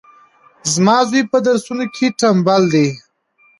زما زوی پهدرسونو کي ټمبل دی